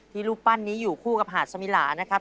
รูปปั้นนี้อยู่คู่กับหาดสมิลานะครับ